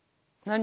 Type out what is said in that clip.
何？